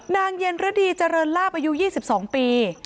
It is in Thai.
เย็นฤดีเจริญลาบอายุ๒๒ปี